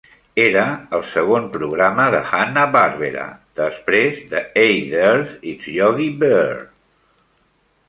Era el segon programa de Hanna-Barbera, després de Hey There, It's Yogi Bear!